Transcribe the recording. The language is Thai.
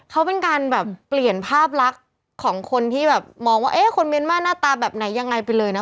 เขาเป็นการแบบเปลี่ยนภาพลักษณ์ของคนที่แบบมองว่าเอ๊ะคนเมียนมาหน้าตาแบบไหนยังไงไปเลยนะ